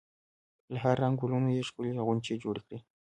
له هر رنګ ګلونو یې ښکلې غونچې جوړې کړي.